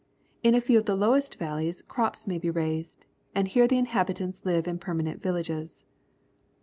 In a few of the lowest valleys crops may be raised, and here the inhabitants li^•e in permanent \'illages.